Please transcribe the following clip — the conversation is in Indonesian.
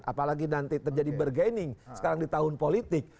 apalagi nanti terjadi bergaining sekarang di tahun politik